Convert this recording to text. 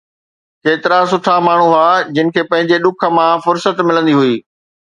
ڪيترا سٺا ماڻهو هئا جن کي پنهنجي ڏک مان فرصت ملندي هئي